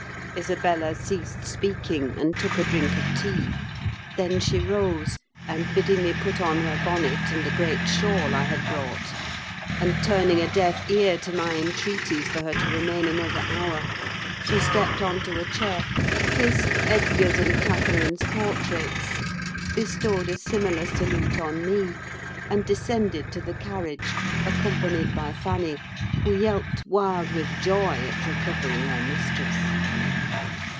Isabella ceased speaking, and took a drink of tea; then she rose, and bidding me put on her bonnet, and a great shawl I had brought, and turning a deaf ear to my entreaties for her to remain another hour, she stepped on to a chair, kissed Edgar's and Catherine's portraits, bestowed a similar salute on me, and descended to the carriage, accompanied by Fanny, who yelped wild with joy at recovering her mistress.